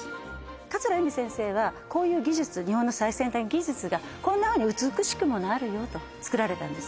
桂由美先生はこういう技術日本の最先端技術がこんなふうに美しくもなるよと作られたんです